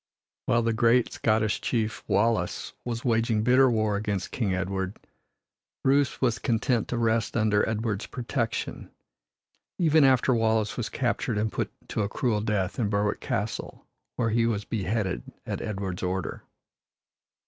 While the great Scottish chief, Wallace, was waging bitter war against King Edward, Bruce was content to rest under Edward's protection, even after Wallace was captured and put to a cruel death in Berwick castle, where he was beheaded at Edward's order.